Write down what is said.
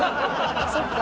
そっか。